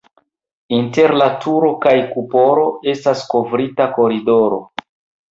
Inter la turo kaj kupolo estas kovrita koridoro.